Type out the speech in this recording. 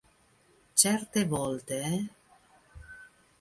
Certe volte...